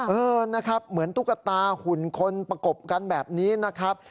เออนะครับเหมือนตุ๊กตาหุ่นคนประกบกันแบบนี้นะครับ